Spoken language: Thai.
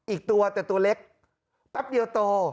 อีกตัวแต่ตัวเล็กแป๊บเดียวโต